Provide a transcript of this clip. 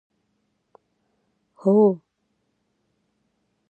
هوه